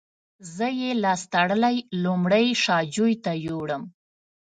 زه یې لاس تړلی لومړی شا جوی ته یووړم.